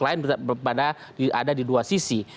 lain berbeda pada ada di dua sisi